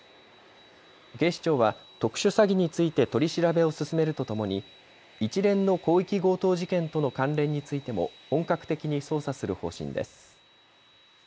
警視庁は特殊詐欺について取り調べを進めるとともに一連の広域強盗事件との関連についても本格的に捜査する方針です。